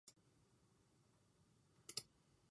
行け藤岡裕大、夢見たその先へ、勝利を呼ぶ一打、今放て